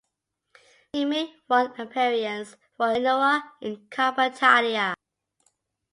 He made one appearance for Genoa in Coppa Italia.